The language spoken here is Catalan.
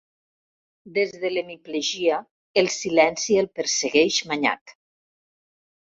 Des de l'hemiplegia el silenci el persegueix manyac.